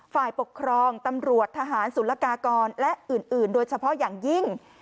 ฝ่ายปกครองตำรวจทหารสุรกากรและอื่นโดยเฉพาะอย่างยิ่ง